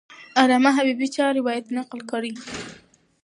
علامه حبیبي چا روایت نقل کړی؟